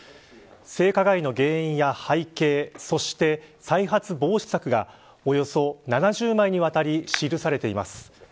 性加害の原因や背景そして、再発防止策がおよそ７０枚にわたり記されています。